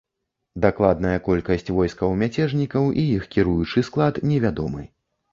Дакладная колькасць войскаў мяцежнікаў і іх кіруючы склад невядомы.